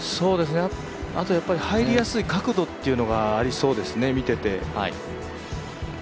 あとやっぱり入りやすい角度というのがありそうですね、見てて。